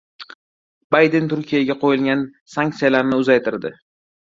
Bayden Turkiyaga qo‘yilgan sanksiyalarni uzaytirdi